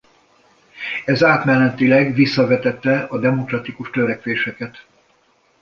Ez átmenetileg visszavetette a demokratikus törekvéseket.